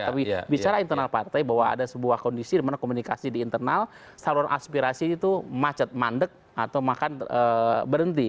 tapi bicara internal partai bahwa ada sebuah kondisi dimana komunikasi di internal saluran aspirasi itu macet mandek atau makan berhenti